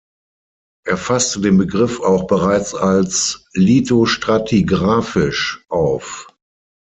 Er fasste den Begriff auch bereits als lithostratigraphisch auf.